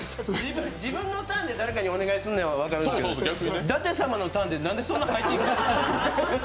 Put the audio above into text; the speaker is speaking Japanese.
自分のターンで誰かにお願いするのは分かるんだけど、舘様のタンで何でそんな入っていきたいの？